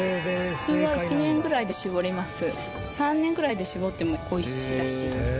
３年くらいで搾っても美味しいらしい。